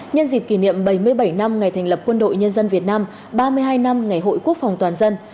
nhân dịp kỷ niệm bảy mươi bảy năm ngày thành lập quân đội nhân dân việt nam ba mươi hai năm ngày hội quốc phòng toàn dân